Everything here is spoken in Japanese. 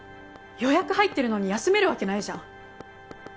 予約入ってるのに休めるわけないじゃん。